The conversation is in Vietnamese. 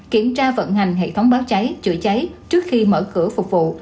kiểm tra vận hành hệ thống báo cháy chữa cháy trước khi mở cửa phục vụ